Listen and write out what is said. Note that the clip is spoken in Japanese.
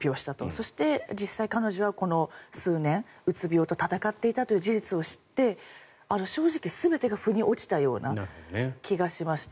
そして、彼女は実際この数年、うつ病と闘っていたという事実を知って正直、全てが腑に落ちたような気がしました。